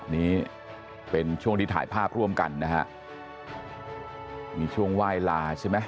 นี่เป็นช่วงที่ถ่ายภาพร่วมกันนะฮะมีช่วงไหว้ลาใช่ไหม